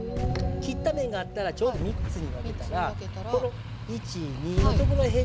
切った面があったらちょうど３つに分けたらこの１２のとこらへんに目がけて入れます。